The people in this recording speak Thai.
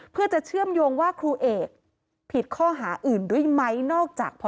เพื่อจะเชื่อมโยงว่าครูเอกผิดข้อหาอื่นด้วยไหมนอกจากพ่อ